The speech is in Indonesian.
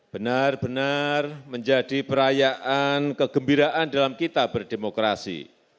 benar benar menjadi perayaan kegembiraan dalam kita berdemokrasi